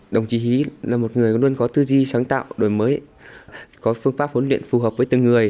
đồng chí hí là một người luôn có tư di sáng tạo đổi mới có phương pháp huấn luyện phù hợp với từng người